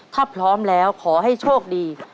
ถ้าพร้อมแล้วขอให้โชคดี